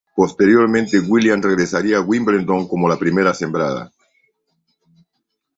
Posteriormente, Williams regresaría a Wimbledon como la primera sembrada.